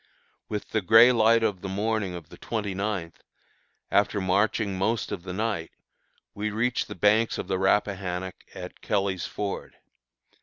With the gray light of the morning of the twenty ninth, after marching most of the night, we reached the banks of the Rappahannock at Kelly's Ford.